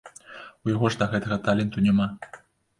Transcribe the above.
У яго ж да гэтага таленту няма.